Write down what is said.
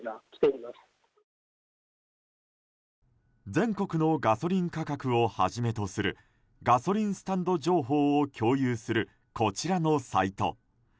全国のガソリン価格をはじめとするガソリンスタンド情報を共有するこちらのサイト。